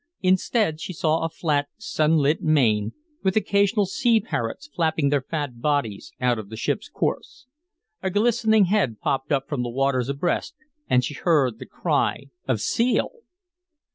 Instead, she saw a flat, sunlit main, with occasional sea parrots flapping their fat bodies out of the ship's course. A glistening head popped up from the waters abreast, and she heard the cry of "seal!"